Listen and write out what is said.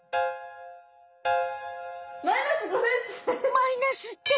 マイナスって。